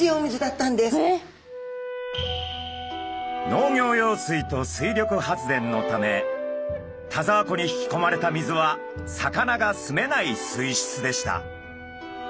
農業用水と水力発電のため田沢湖に引きこまれた水は魚がすめない水質でした。